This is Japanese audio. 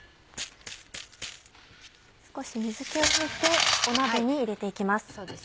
少し水気を拭いて鍋に入れて行きます。